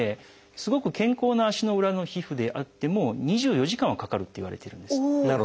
すごく健康な足の裏の皮膚であっても２４時間はかかるっていわれてるんです。